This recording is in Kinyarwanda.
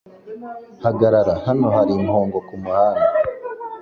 Hagarara! Hano hari impongo kumuhanda.